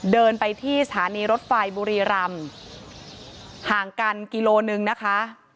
เดินไปที่สถานีรถไฟบุรีรำห่างกันกิโลนึงนะคะ